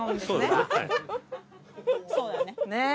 そうですね。